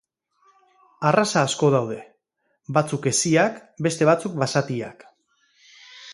Arraza asko daude, batzuk heziak, beste batzuk basatiak.